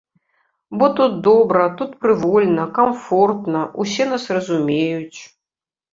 Бо тут добра, тут прывольна, камфортна, усе нас разумеюць.